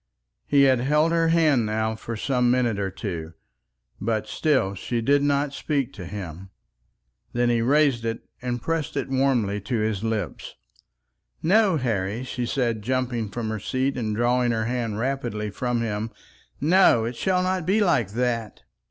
He had held her hand now for some minute or two, but still she did not speak to him. Then he raised it and pressed it warmly to his lips. "No, Harry," she said, jumping from her seat and drawing her hand rapidly from him; "no; it shall not be like that.